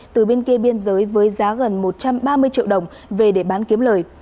từ bên kia biên giới với giá gần một trăm ba mươi triệu đồng về để bán kiếm lời